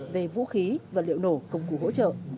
về vũ khí vật liệu nổ công cụ hỗ trợ